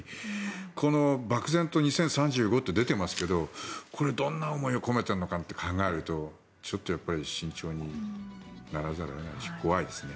このばくぜんと２０３５って出ていますがこれ、どんな思いを込めているのかって考えるとちょっと慎重にならざるを得ないでしょう。